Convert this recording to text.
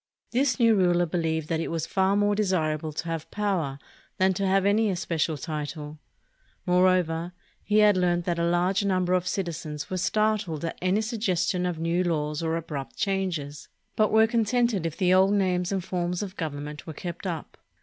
This new ruler believed that it was far more desirable to have power than to have any especial title. More over, he had learned that a large number of citizens were startled at any suggestion of new laws or abrupt changes, but were contented if the old names and forms of gov ernment were kept up.